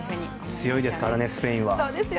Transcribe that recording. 強いですからねスペインは。